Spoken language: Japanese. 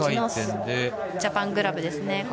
ジャパングラブですね。